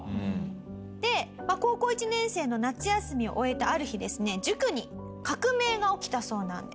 で高校１年生の夏休みを終えたある日ですね塾に革命が起きたそうなんです。